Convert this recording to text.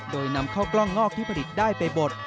โดยนำเข้ากล้องงอกที่ผลิตได้ไปบด